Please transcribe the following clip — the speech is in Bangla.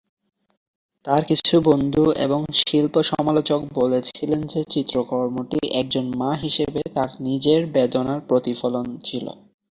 তার কিছু বন্ধু এবং শিল্প সমালোচক বলেছিলেন যে চিত্রকর্মটি একজন মা হিসাবে তার নিজের বেদনার প্রতিফলন ছিল।